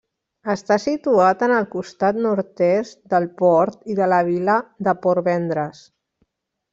Està situat en el costat nord-est del port i de la vila de Portvendres.